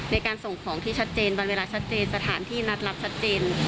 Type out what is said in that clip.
ในการส่งของที่ชัดเจนวันเวลาชัดเจนสถานที่นัดรับชัดเจน